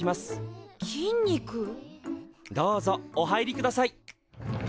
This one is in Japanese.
どうぞお入りください。